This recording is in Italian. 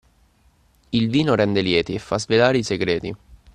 Il vino rende lieti e fa svelar i segreti.